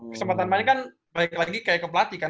kesempatan main kan balik lagi kayak ke pelatih kan